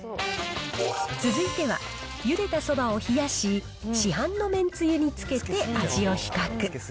続いては、ゆでたそばを冷やし、市販の麺つゆにつけて、味を比較。